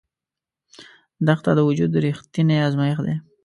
دښته د وجود رښتینی ازمېښت دی.